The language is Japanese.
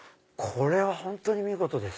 これは本当に見事です。